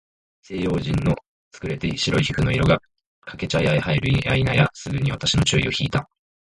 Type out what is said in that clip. その西洋人の優れて白い皮膚の色が、掛茶屋へ入るや否いなや、すぐ私の注意を惹（ひ）いた。